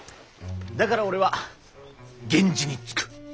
だから俺は源氏につく。